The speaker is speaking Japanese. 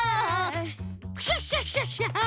クシャシャシャシャ！